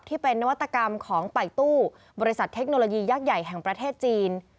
ที่เป็นนวัตกรรมของป่ายตู้บริษัทเทคโนโลยียักษ์ใหญ่แห่งประเทศจีน